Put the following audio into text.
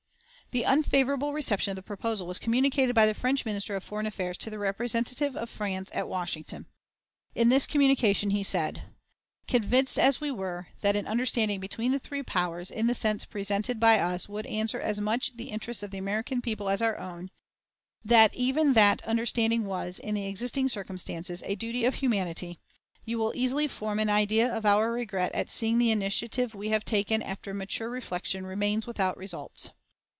The unfavorable reception of the proposal was communicated by the French Minister of Foreign Affairs to the representative of France at Washington. In this communication he said: "Convinced as we were that an understanding between the three powers in the sense presented by us would answer as much the interests of the American people as our own; that even that understanding was, in the existing circumstances, a duty of humanity, you will easily form an idea of our regret at seeing the initiative we have taken after mature reflection remain without results.